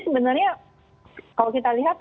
sebenarnya kalau kita lihat